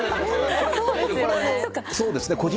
そうですね。